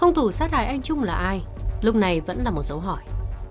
hung thủ sát hại anh trung là ai lúc này vẫn là một dấu hỏi